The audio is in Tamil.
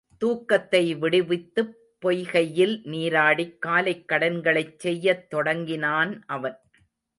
தூக்கத்தை விடுத்துப் பொய்கையில் நீராடிக் காலைக் கடன்களைச் செய்யத் தொடங்கினான் அவன்.